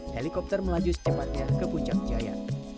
helikopter melaju secepatnya ke puncak jaya